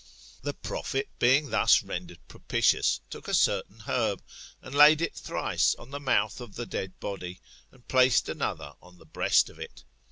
"The prophet being thus rendered propitious, took a certain herb, and laid it thrice on the mouth of the dead body, and placed another on the breast of it.